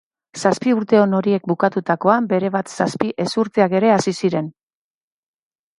Zazpi urte on horiek bukatutakoan, berebat zazpi ezurteak ere hasi ziren